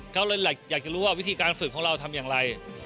เขาเลยอยากจะรู้ว่าวิธีการฝึกของเราทำอย่างไร